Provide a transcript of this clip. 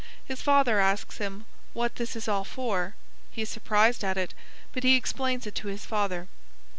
His father asks him what this is all for; he is surprised at it, but he explains it to his father.